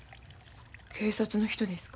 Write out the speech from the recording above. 警察の人ですか？